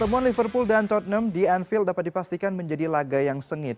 pertemuan liverpool dan tottenham di anfield dapat dipastikan menjadi laga yang sengit